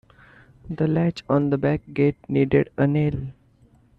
The latch on the back gate needed a nail.